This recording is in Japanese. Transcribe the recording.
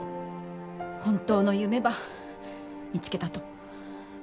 本当の夢ば見つけたと。